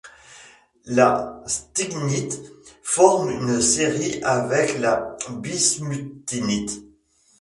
La stibnite forme une série avec la bismuthinite.